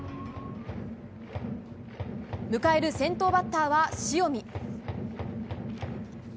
迎える先頭バッターは塩見。